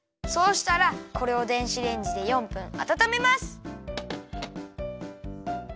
そうしたらこれを電子レンジで４分あたためます。